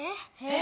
え！